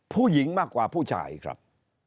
ผู้หญิงมากกว่าผู้ชายครับ